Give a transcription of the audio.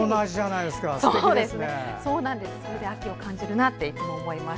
それで秋を感じるなといつも思います。